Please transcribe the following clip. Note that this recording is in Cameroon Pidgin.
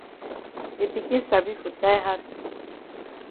De pikin sabi for tie hat.